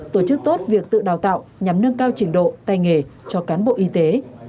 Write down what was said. tổ chức tốt việc tự đào tạo nhằm nâng cao trình độ tay nghề cho cán bộ y tế